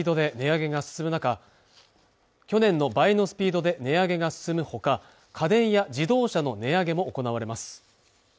去年の倍のスピードで値上げが進むほか家電や自動車の値上げも行われます